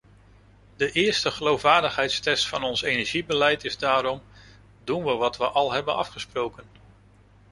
De eerste geloofwaardigheidstest van ons energiebeleid is daarom: doen wat we al hebben afgesproken.